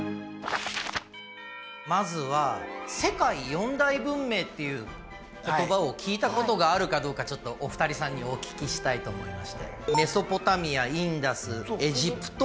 まずは「世界四大文明」っていう言葉を聞いたことがあるかどうかちょっとお二人さんにお聞きしたいと思いまして。